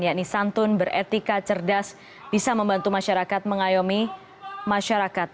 yakni santun beretika cerdas bisa membantu masyarakat mengayomi masyarakat